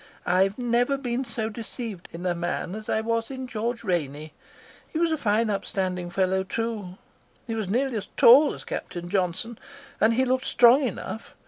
I've never been so deceived in a man as I was in George Rainey. He was a fine, upstanding fellow too. He was nearly as tall as Captain Johnson, and he looked strong enough.